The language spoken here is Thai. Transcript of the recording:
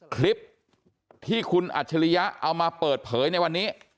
คลิปที่คุณอัจฉริยะเอามาเปิดเผยในวันนี้